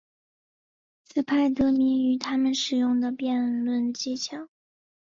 此派得名于他们使用的辩论技巧。